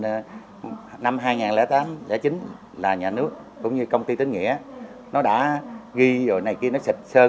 được năm hai nghìn tám ryisés chính là nhà nước cũng như công ty tín nghệ nó đã ghi rồi này kia nó xịt sơn